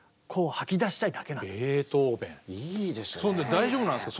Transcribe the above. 大丈夫なんですか？